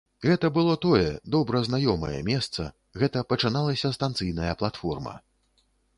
Гэта было тое, добра знаёмае месца, гэта пачыналася станцыйная платформа.